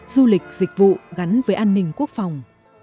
du lịch dịch vụ gắn với an ninh quốc phòng